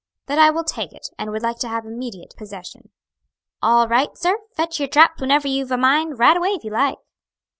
"That I will take it, and would like to have immediate possession." "All right, sir; fetch your traps whenever you've a mind; right away, if you like."